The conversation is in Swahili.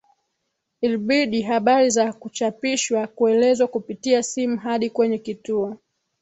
Ilbidi habari za kuchapishwa kuelezwa kupitia simu hadi kwenye kituo